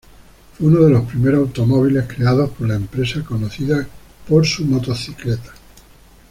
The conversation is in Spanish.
Fue uno de los primeros automóviles creados por la empresa conocida por su motocicletas.